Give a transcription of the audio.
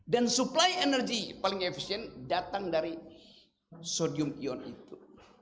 dan supply energy paling efisien datang dari sodium ion itu